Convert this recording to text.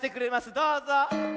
どうぞ。